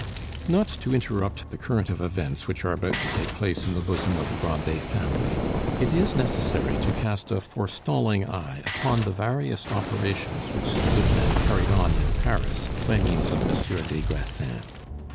Not to interrupt the current of events which are about to take place in the bosom of the Grandet family, it is necessary to cast a forestalling eye upon the various operations which the goodman carried on in Paris by means of Monsieur des Grassins.